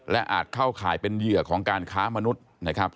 และอาจเข้าข่ายเป็นเหยื่อของการค้ามนุษย์นะครับ